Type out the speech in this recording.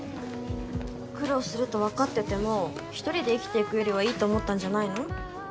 苦労すると分かってても一人で生きていくよりはいいと思ったんじゃないの？